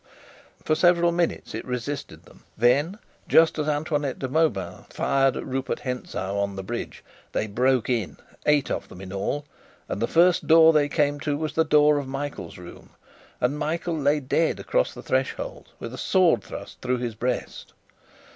For several minutes it resisted them; then, just as Antoinette de Mauban fired at Rupert of Hentzau on the bridge, they broke in, eight of them in all: and the first door they came to was the door of Michael's room; and Michael lay dead across the threshold, with a sword thrust through his breast.